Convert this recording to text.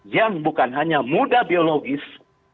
yang bukan hanya muda biologis